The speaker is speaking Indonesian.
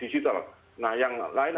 digital nah yang lain